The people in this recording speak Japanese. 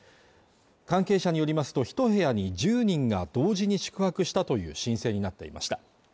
関係者によりますと１部屋に１０人が同時に宿泊したという申請になっていました